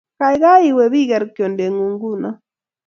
Kaikai iwe biker knyoendet ng'ung' nguno